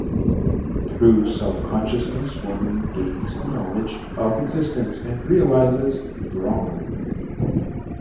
Through Self-consciousness one gains the knowledge of existence and realizes Brahman.